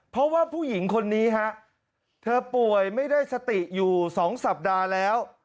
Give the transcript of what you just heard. เพราะว่าผู้หญิงคนนี้ฮะเธอป่วยไม่ได้สติอยู่๒สัปดาห์แล้ว